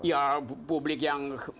ya publik yang